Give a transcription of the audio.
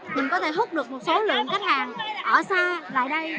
mình có thể hút được một số lượng khách hàng ở xa lại đây